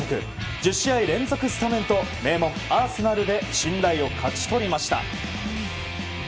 １０試合連続スタメンと名門アーセナルで信頼を勝ち取りました。